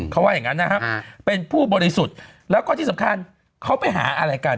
เขาว่าอย่างนั้นนะฮะเป็นผู้บริสุทธิ์แล้วก็ที่สำคัญเขาไปหาอะไรกัน